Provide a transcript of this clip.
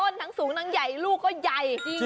ต้นนางศูนย์ต้นนางใหญ่ลูกก็ใหญ่